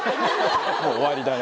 もう終わりだね。